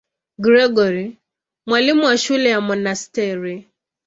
Gregori, mwalimu wa shule ya monasteri.